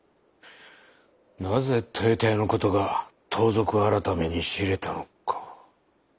なぜ豊田屋の事が盗賊改に知れたのか。